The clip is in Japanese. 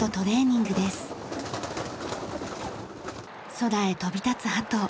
空へ飛び立つ鳩。